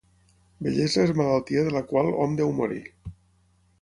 Vellesa és malaltia de la qual hom deu morir.